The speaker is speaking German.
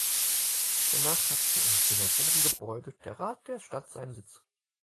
Danach hatte im Synagogengebäude der Rat der Stadt seinen Sitz.